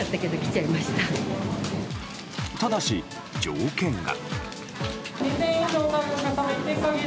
ただし条件が。